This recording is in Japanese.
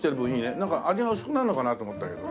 なんか味が薄くなるのかなと思ったけどね。